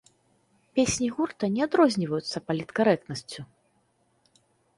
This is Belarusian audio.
Песні гурта не адрозніваюцца паліткарэктнасцю.